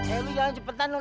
eh lo jalan cepetan dong